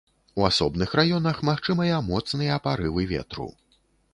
У асобных раёнах магчымыя моцныя парывы ветру.